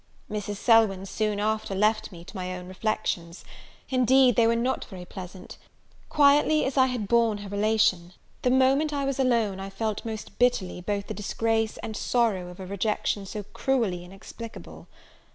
Mrs. Selwyn soon after left me to my own reflections. Indeed they were not very pleasant. Quietly as I had borne her relation, the moment I was alone I felt most bitterly both the disgrace and sorrow of a rejection so cruelly inexplicable.